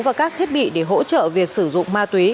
và các thiết bị để hỗ trợ việc sử dụng ma túy